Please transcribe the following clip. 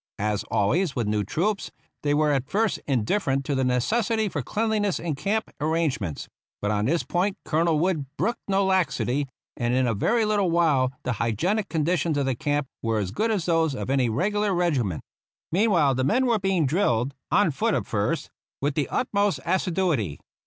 As always with new troops, they were at first indifferent to the necessity for cleanliness in camp arrangements ; but on this point Colonel Wood brooked no laxity, and in a very little while the hygienic conditions of the camp were as good as those of any regular regiment. Mean while the men were being drilled, on foot at first, with the utmost assiduity.